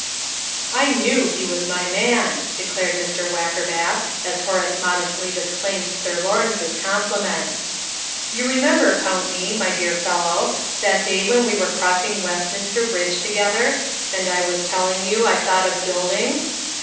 "I knew he was my man," declared Mr. Wackerbath, as Horace modestly disclaimed Sir Lawrence's compliment. "You remember, Pountney, my dear fellow, that day when we were crossing Westminster Bridge together, and I was telling you I thought of building?